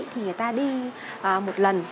thì người ta đi một lần